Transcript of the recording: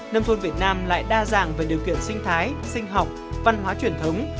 nông thôn việt nam lại đa dạng về điều kiện sinh thái sinh học văn hóa truyền thống